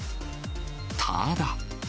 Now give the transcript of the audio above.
ただ。